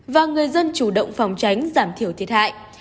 và người dân chủ động phòng tránh giảm thiểu thiệt hại